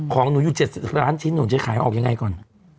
ของหนูอยู่๗๐ล้านชิ้นหนูจะขายออกยังไงก่อน